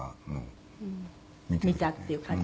見たっていう感じね。